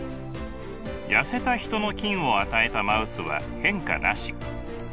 痩せたヒトの菌を与えたマウスは変化なし。